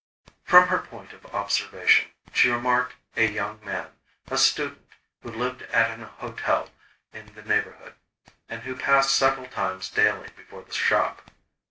From her point of observation, she remarked a young man, a student, who lived at an hotel in the neighbourhood, and who passed several times daily before the shop.